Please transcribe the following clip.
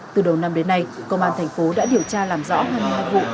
từ đầu năm đến nay công an thành phố đã điều tra làm rõ hai mươi hai vụ